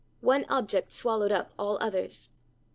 One object swallowed up all others.